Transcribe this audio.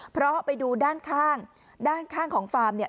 เพราะไปดูด้านข้างด้านข้างของฟาร์มเนี่ย